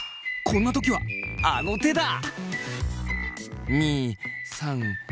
こんな時はあの手だ！